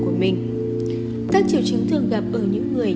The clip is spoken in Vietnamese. các triều chứng thường gặp ở những người